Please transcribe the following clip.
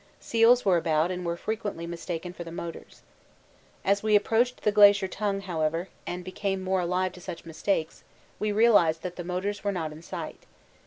Seals were about and were frequently mistaken for the motors. As we approached the Glacier Tongue, however, and became more alive to such mistakes, we realised that the motors were not in sight.